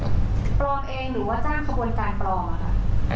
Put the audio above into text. ปลอมเองหรือว่า